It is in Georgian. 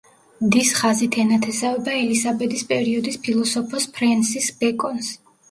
დის ხაზით ენათესავება ელისაბედის პერიოდის ფილოსოფოს ფრენსის ბეკონს.